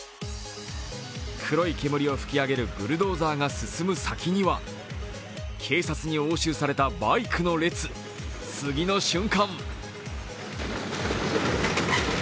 黒い煙を噴き上げるブルドーザーが進む先には警察に押収されたバイクの列次の瞬間